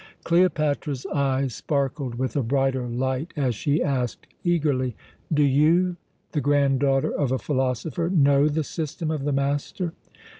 Cleopatra's eyes sparkled with a brighter light as she asked eagerly, "Do you, the granddaughter of a philosopher, know the system of the master?"